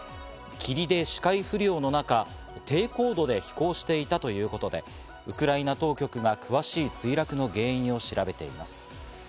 霧で視界不良の中、低高度で飛行していたということでウクライナ当局が詳しい墜落の原因を調べています。